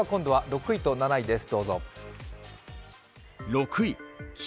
今度は６位と７位です。